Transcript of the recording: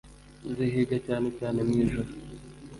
Zihiga cyane cyane mu ijoro